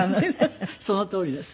そのとおりです。